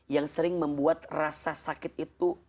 yang sering membuat rasa sakit itu